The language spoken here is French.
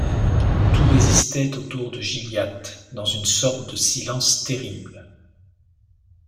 Tout résistait autour de Gilliatt dans une sorte de silence terrible.